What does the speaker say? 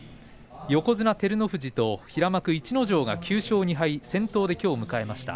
横綱照ノ富士と平幕逸ノ城が９勝２敗で先頭できょうを迎えました。